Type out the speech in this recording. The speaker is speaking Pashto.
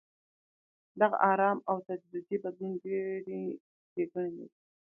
دغه ارام او تدریجي بدلون ډېرې ښېګڼې لري.